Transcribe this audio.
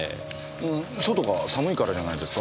うーん外が寒いからじゃないですか？